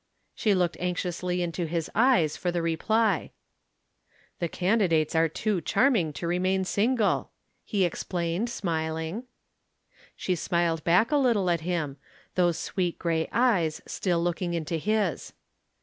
She looked anxiously into his eyes for the reply. "The candidates are too charming to remain single," he explained, smiling. She smiled back a little at him, those sweet gray eyes still looking into his.